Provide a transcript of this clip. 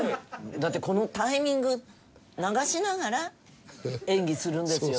だってこのタイミング流しながら演技するんですよね？